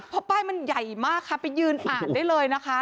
เพราะป้ายมันใหญ่มากค่ะไปยืนอ่านได้เลยนะคะ